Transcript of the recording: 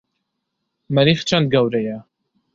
مەریخ چەند گەورەیە؟